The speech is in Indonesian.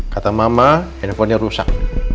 kata mama handphone nya rusak